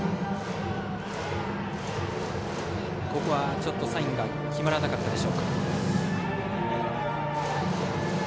ちょっとサインが決まらなかったでしょうか。